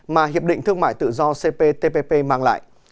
mà hiệp định thương mại tự do cptpp mang lại